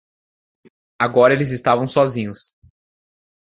Agora eles estavam sozinhos.